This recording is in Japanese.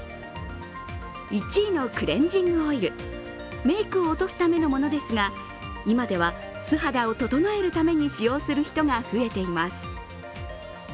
１位のクレンジングオイルメイクを落とすためのものですが今では素肌を整えるために使用する人が増えています。